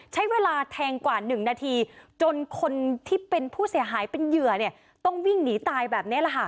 ใช้เวลาแทงกว่าหนึ่งนาทีจนคนที่เป็นผู้เสียหายเป็นเหยื่อต้องวิ่งหนีตายแบบนี้